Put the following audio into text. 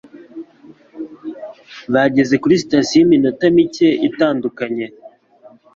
Bageze kuri sitasiyo iminota mike itandukanye.